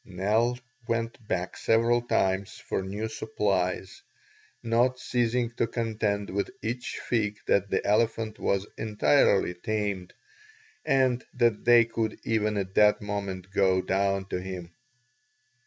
Nell went back several times for new supplies, not ceasing to contend with each fig that the elephant was entirely tamed and that they could even at that moment go down to him.